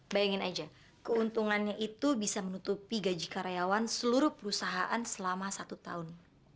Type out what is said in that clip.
bayangin aja keuntungannya itu bisa menutupi gaji karyawan seluruh perusahaan selama satu tahun